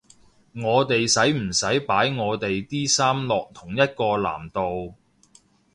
我哋使唔使擺我地啲衫落同一個籃度？